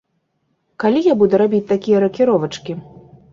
Калі я буду рабіць такія ракіровачкі?